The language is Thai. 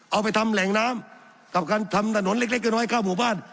เอาไปทำแหล่งน้ำกับการทำถนนเล็กน้อยเข้าหมู่บ้าน